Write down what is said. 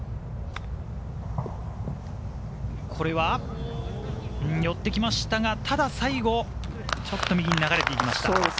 これは寄ってきましたが、最後ちょっと右に流れていきました。